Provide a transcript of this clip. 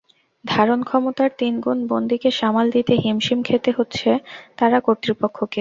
ধারণক্ষমতার তিন গুণ বন্দীকে সামাল দিতে হিমশিম খেতে হচ্ছে কারা কর্তৃপক্ষকে।